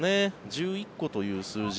１１個という数字。